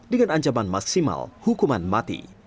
dengan ancaman maksimal hukuman mati